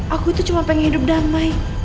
aku tuh cuma pengen hidup damai